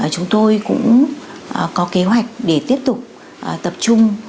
chúng tôi cũng có kế hoạch để tiếp tục tập trung